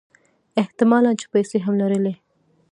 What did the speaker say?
احت مالًا چې پیسې هم لرلې.